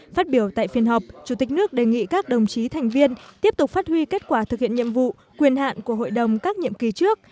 phát biểu tại phiên họp chủ tịch nước đề nghị các đồng chí thành viên tiếp tục phát huy kết quả thực hiện nhiệm vụ quyền hạn của hội đồng các nhiệm kỳ trước